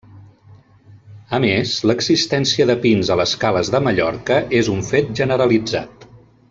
A més l'existència de pins a les cales de Mallorca és un fet generalitzat.